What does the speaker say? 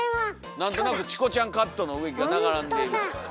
何となくチコちゃんカットの植木が並んでいたと。